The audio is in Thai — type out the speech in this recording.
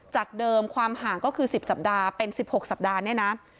จากเดิมความห่างก็คือ๑๐สัปดาห์เป็น๑๖สัปดาห์เนี่ยนะ